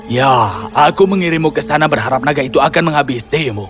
ya aku mengirimmu ke sana berharap naga itu akan menghabisimu